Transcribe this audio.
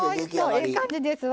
ええ感じですわ。